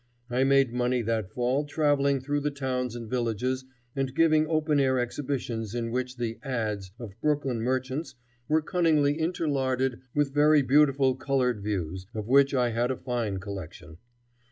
I made money that fall travelling through the towns and villages and giving open air exhibitions in which the "ads" of Brooklyn merchants were cunningly interlarded with very beautiful colored views, of which I had a fine collection.